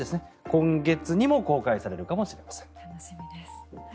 今月にも公開されるかもしれません。